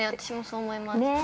私もそう思います。